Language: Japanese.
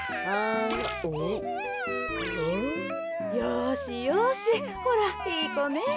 よしよしほらいいこね。